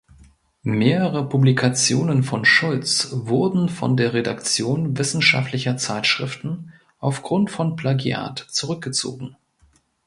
Mehrere Publikationen von Schulz wurden von der Redaktion wissenschaftlicher Zeitschriften aufgrund von Plagiat zurückgezogen.